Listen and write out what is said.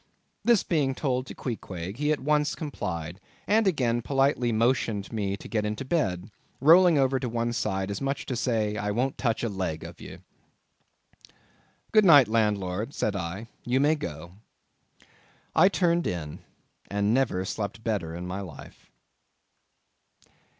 This being told to Queequeg, he at once complied, and again politely motioned me to get into bed—rolling over to one side as much as to say—"I won't touch a leg of ye." "Good night, landlord," said I, "you may go." I turned in, and never slept better in my life.